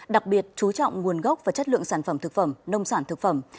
đặc biệt chú trọng nguồn gốc và chất lượng sản phẩm thực phẩm nông sản thực phẩm